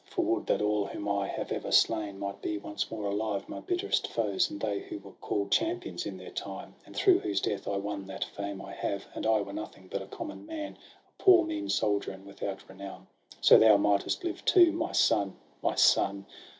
For would that all whom I have ever slain Might be once more alive; my bitterest foes. And they who were call'd champions in their time, And through whose death I won that fame I have — And I were nothing but a common man, A poor, mean soldier, and without renown. So thou mightest live too, my son, my son